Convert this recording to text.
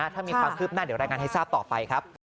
ถ้ามีความคืบหน้าเดี๋ยวรายงานให้ทราบต่อไปครับ